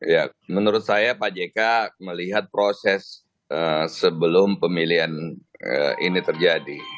ya menurut saya pak jk melihat proses sebelum pemilihan ini terjadi